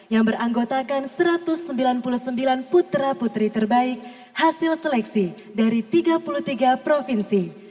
yang beranggotakan satu ratus sembilan puluh sembilan putra putri terbaik hasil seleksi dari tiga puluh tiga provinsi